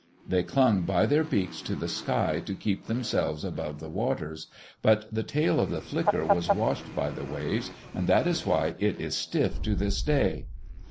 They clung by their beaks to the sky to keep themselves above the waters, but the tail of the flicker was washed by the waves and that is why it is stiff to this day.